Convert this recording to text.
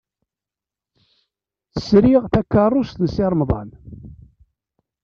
Sriɣ takeṛṛust n Si Remḍan.